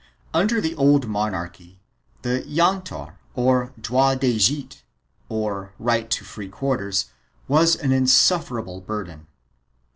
Under the old monarchy the yantar or droit de gite, or right to free quarters, was an in sufferable burden.